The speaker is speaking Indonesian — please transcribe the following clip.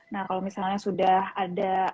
nah kalau misalnya sudah ada